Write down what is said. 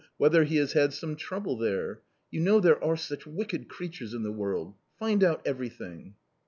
whether he has had some trouble there. You know there are such wicked creatures in the world .... find out everything."